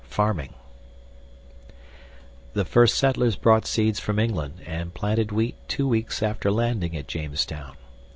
] Farming The first settlers brought seeds from England, and planted wheat 2 weeks after landing at Jamestown.